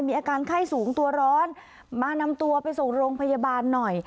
มีอาการไข้สูงตัวร้อนมานำตัวไปส่งโรงพยาบาลหน่อย